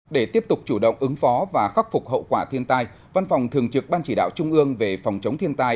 để tiếp tục chủ động ứng phó và khắc phục hậu quả thiên tai văn phòng thường trực ban chỉ đạo trung ương về phòng chống thiên tai